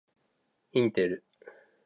インテル